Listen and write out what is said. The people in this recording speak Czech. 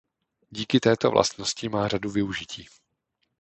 Díky této vlastnosti má řadu využití.